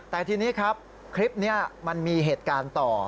แต่ทีนี้ครับคลิปนี้มันมีเหตุการณ์ต่อ